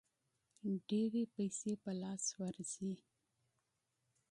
ډېرې پیسې په لاس ورځي.